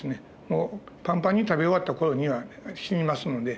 もうパンパンに食べ終わった頃には死にますので。